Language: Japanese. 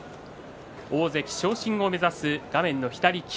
大関昇進を目指す画面の左霧